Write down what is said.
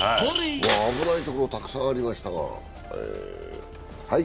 危ないとこたくさんありましたが。